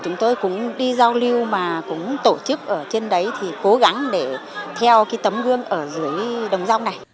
chúng tôi cũng đi giao lưu mà cũng tổ chức ở trên đấy thì cố gắng để theo cái tấm gương ở dưới đồng rông này